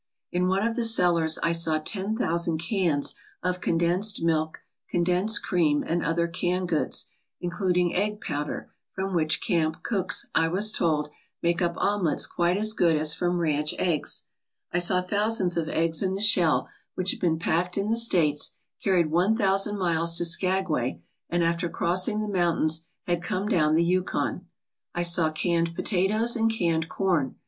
In one of the cellars I saw ten thousand cans of condensed milk, condensed cream, and other canned goods, including egg powder, from which camp cooks, I was told, make up omelettes quite as good as from ranch eggs. I saw thousands of eggs in the shell which had been packed in the States, carried one thousand miles to Skagway, and after crossing the mountains, had come down the Yukon. I saw canned potatoes and canned corn.